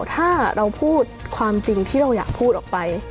ถ้าเราพูดความจริงที่เราอยากพูดออกไป